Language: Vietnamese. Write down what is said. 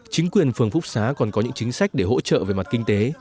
chính quyền phường phúc xá còn có những chính sách để hỗ trợ về mặt kinh tế